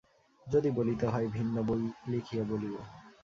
যদি বলিতে হয় ভিন্ন বই লিখিয়া বলিব।